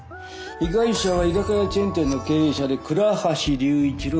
被害者は居酒屋チェーン店の経営者で倉橋龍一郎５１歳。